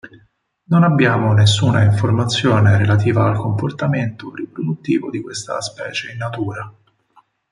Non abbiamo nessuna informazione relativa al comportamento riproduttivo di questa specie in natura.